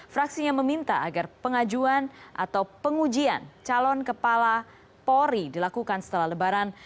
fraksinya meminta agar pengajuan atau pengujian calon kepala polri dilakukan setelah lebaran